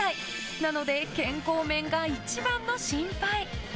なので健康面が一番の心配。